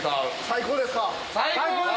最高です！